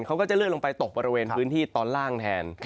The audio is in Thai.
เขาก็จะเลื่อนลงไปตกบริเวณพื้นที่ตอนล่างแทน